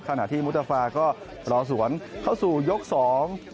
ขณะที่มุตฟาก็รอสวนเข้าสู่ยกสอง